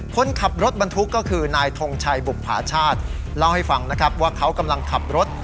คนขับรถบรรทุกก็คือนายทงชัยบุภาชาติเล่าให้ฟังนะครับว่าเขากำลังขับรถ